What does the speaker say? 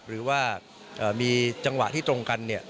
หรือว่ามีจังหวะที่ตรงกัน